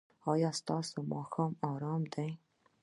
ایا ستاسو ماښام ارام دی؟